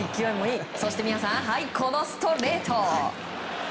そして、このストレート。